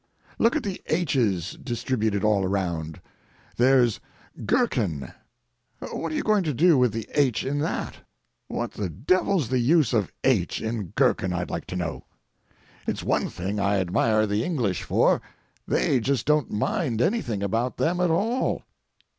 Look at the "h's" distributed all around. There's "gherkin." What are you going to do with the "h" in that? What the devil's the use of "h" in gherkin, I'd like to know. It's one thing I admire the English for: they just don't mind anything about them at all.